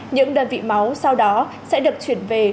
những đơn vị máu sau đó sẽ được chuyển về